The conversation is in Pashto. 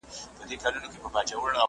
چي ظالم ته مخامخ وي درېدلي ,